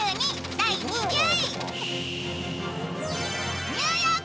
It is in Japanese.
第２０位。